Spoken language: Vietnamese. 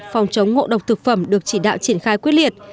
phòng chống ngộ độc thực phẩm được chỉ đạo triển khai quyết liệt